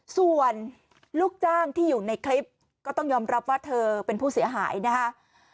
ส่วนลูกจ้างที่อยู่ในคลิปก็ต้องยอมรับว่าเธอเป็นผู้เสียหายนะคะ